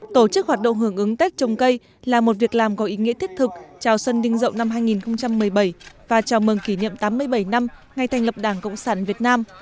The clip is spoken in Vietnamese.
tổ chức hoạt động hưởng ứng tết trồng cây là một việc làm có ý nghĩa thiết thực chào xuân đinh rậu năm hai nghìn một mươi bảy và chào mừng kỷ niệm tám mươi bảy năm ngày thành lập đảng cộng sản việt nam